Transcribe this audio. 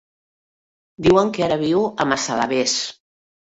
Diuen que ara viu a Massalavés.